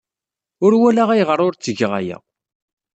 Ur walaɣ ayɣer ur ttgeɣ aya.